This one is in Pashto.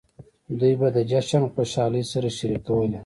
دوی به د جشن خوشحالۍ سره شریکولې.